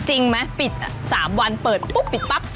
จริงไหมปิด๓วันเปิดปุ๊บปิดปั๊บ